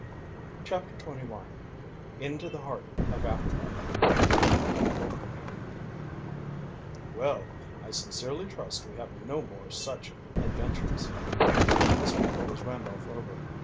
CHAPTER XXI INTO THE HEART OF AFRICA "Well, I sincerely trust we have no more such adventures." The speaker was Randolph Rover.